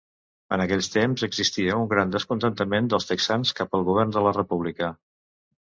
En aquells temps existia un gran descontentament dels texans cap al govern de la República.